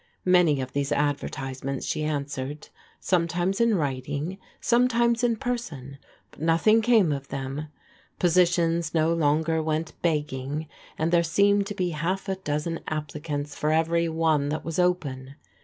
Many of these advertisements she answered, some times in writing, sometimes in person, but nothing came of them. Positions no longer went begging, and there seemed to be half a dozen applicants for every one that was open.